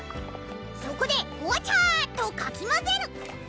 そこでほわちゃっとかきまぜる！